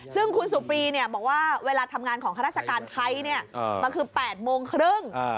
ซึ่งคุณสุปรีบอกว่าเวลาทำงานของข้าราชการไทยมันคือ๘โมงครึ่ง